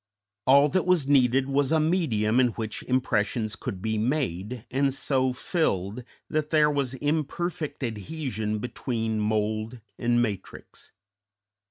All that was needed was a medium in which impressions could be made and so filled that there was imperfect adhesion between mould and matrix.